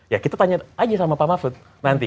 ya kita tanya aja sama pak mahfud nanti